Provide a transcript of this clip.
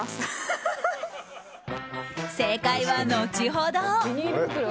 正解は、後ほど。